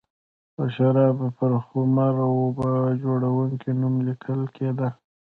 د شرابو پر خُمر و به د جوړوونکي نوم لیکل کېده